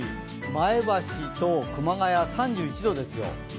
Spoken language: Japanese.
前橋と熊谷は３１度ですよ。